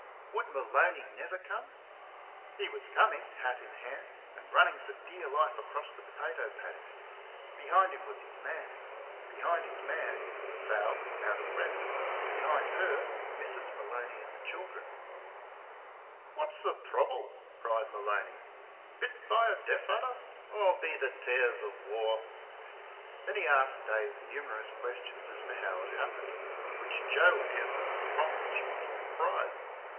Would Maloney never come! He was coming, hat in hand, and running for dear life across the potato paddock. Behind him was his man. Behind his man Sal, out of breath. Behind her, Mrs. Maloney and the children. "Phwat's the thrubble?" cried Maloney. "Bit be a dif adher? O, be the tares of war!" Then he asked Dave numerous questions as to how it happened, which Joe answered with promptitude and pride.